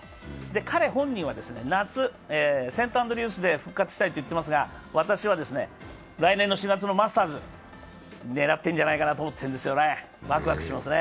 彼本人は夏、セントアンドリュースで復活したいと言ってますが私は来年の４月のマスターズを狙ってんじゃないかなと思っているんですよね、ワクワクしますね。